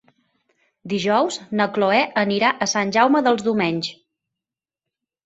Dijous na Cloè anirà a Sant Jaume dels Domenys.